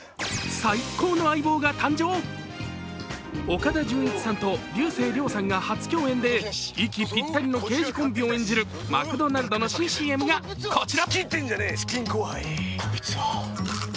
岡田准一さんと竜星涼さんが初共演で息ぴったりの刑事コンビを演じるマクドナルドの新ＣＭがこちら。